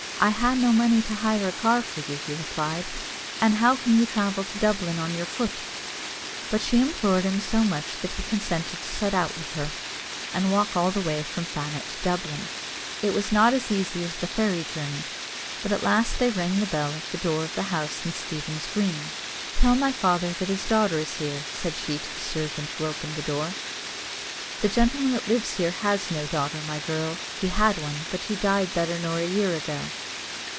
"I ha' no money to hire a car for you," he replied, "an' how can you travel to Dublin on your foot?" But she implored him so much that he consented to set out with her, and walk all the way from Fannet to Dublin. It was not as easy as the fairy journey; but at last they rang the bell at the door of the house in Stephen's Green. "Tell my father that his daughter is here," said she to the servant who opened the door. "The gentleman that lives here has no daughter, my girl. He had one, but she died better nor a year ago."